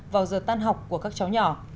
vào giờ tan học của các cháu nhỏ